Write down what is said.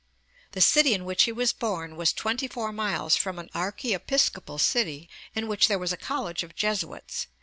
The city in which he was born was twenty four miles from an archiepiscopal city in which there was a college of Jesuits (p.